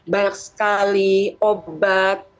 banyak sekali obat